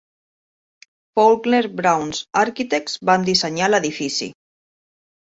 FaulknerBrowns Architects van dissenyar l'edifici.